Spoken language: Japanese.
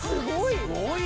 すごい。